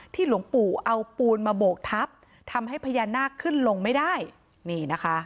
หลวงปู่เอาปูนมาโบกทับทำให้พญานาคขึ้นลงไม่ได้นี่นะคะ